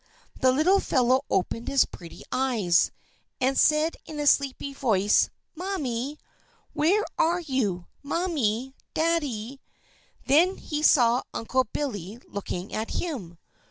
The little fellow opened his pretty eyes, and said in a sleepy voice: "Mammy! Where are you? Mammy! Daddy!" Then he saw Uncle Billy looking at him.